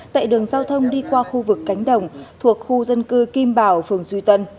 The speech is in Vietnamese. tại đường giao thông đi qua khu vực cánh đồng thuộc khu dân cư kim bảo phường duy tân